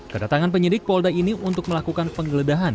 kedatangan penyidik polda ini untuk melakukan penggeledahan